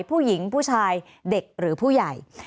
ผู้หญิงผู้ชายเด็กหรือผู้ใหญ่